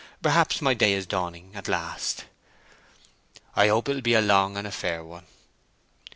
Perhaps my day is dawning at last." "I hope it 'ill be a long and a fair one."